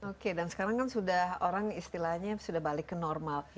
oke dan sekarang kan sudah orang istilahnya sudah balik ke normal